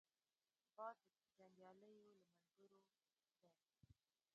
باز د جنګیالیو له ملګرو دی